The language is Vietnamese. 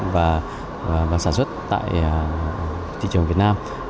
và sản xuất tại thị trường việt nam